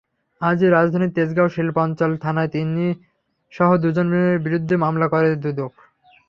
আজই রাজধানীর তেজগাঁও শিল্পাঞ্চল থানায় তিনিসহ দুজনের বিরুদ্ধে মামলা করে দুদক।